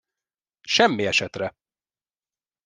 Semmi esetre!